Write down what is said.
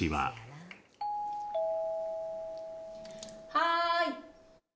はい。